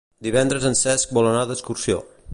Divendres en Cesc vol anar d'excursió.